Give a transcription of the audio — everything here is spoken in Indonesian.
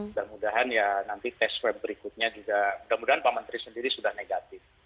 mudah mudahan ya nanti tes swab berikutnya juga mudah mudahan pak menteri sendiri sudah negatif